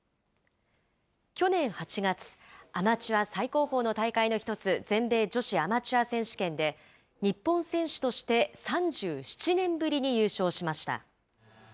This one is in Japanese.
去年８月、アマチュア最高峰の大会の１つ、全米女子アマチュア選手権で、日本選手として３７年ぶりに優勝しました。